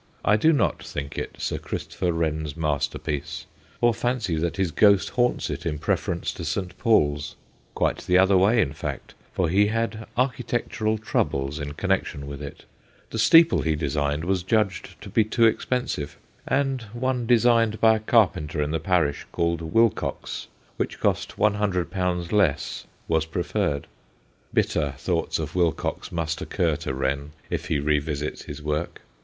I do not think it Sir Christopher Wren's masterpiece, or fancy that his ghost haunts it in preference to St. Paul's. Quite the other way, in fact, for he had architectural troubles in connection with it. The steeple he designed was judged to be too expensive, and one designed by a carpenter in the parish, called Wilcox, which cost 100 less, was preferred. Bitter thoughts of Wilcox must occur to Wren if he revisits his work.